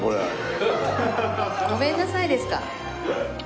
ごめんなさいですか。